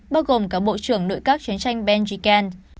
bao gồm các bộ trưởng nội các chiến tranh benjikant